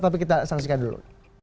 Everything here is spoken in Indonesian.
tapi kita saksikan dulu